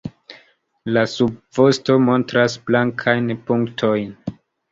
La subvosto montras blankajn punktojn.